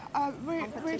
saya sendiri tidak